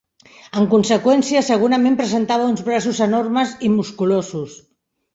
En conseqüència, segurament presentava uns braços enormes i musculosos.